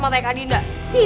sama kak dinda